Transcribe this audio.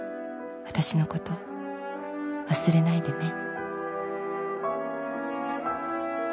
「私のこと忘れないでね」